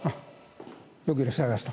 よくいらっしゃいました。